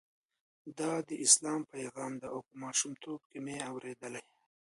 دا د اسلام پیغام دی او په ماشومتوب کې مې اورېدلی.